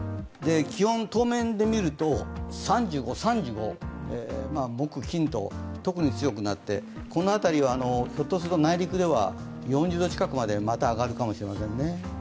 気温、当面で見ると３５、３５、木、金と特に強くなって、この辺りはひょっとすると内陸では４０度近くまでまた上がるかもしれません。